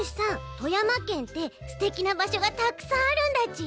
富山県ってすてきなばしょがたくさんあるんだち？